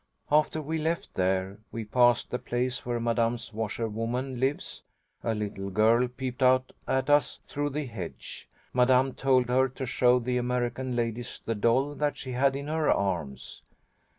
"After we left there, we passed the place where Madame's washerwoman lives. A little girl peeped out at us through the hedge. Madame told her to show the American ladies the doll that she had in her arms.